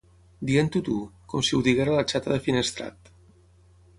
Dient-ho tu, com si ho diguera la xata de Finestrat.